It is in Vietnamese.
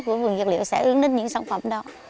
của vườn dược liệu sẽ ứng đến những sản phẩm đó